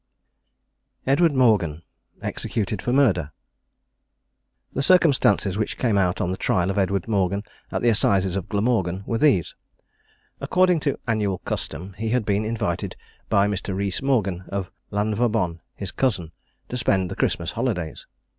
EDWARD MORGAN. EXECUTED FOR MURDER. The circumstances which came out on the trial of Edward Morgan, at the assizes of Glamorgan, were these: According to annual custom, he had been invited by Mr. Rees Morgan, of Lanvabon, his cousin, to spend the Christmas holidays.